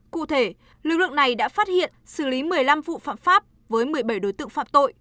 cụ thể lực lượng này đã phát hiện xử lý một mươi năm vụ phạm pháp với một mươi bảy đối tượng phạm tội